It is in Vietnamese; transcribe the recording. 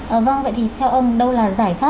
vâng vậy thì theo ông đâu là giải pháp